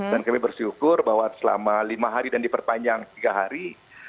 dan kami bersyukur bahwa selama lima hari dan diperpanjang tiga hari